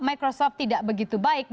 namun secara fundamental tampaknya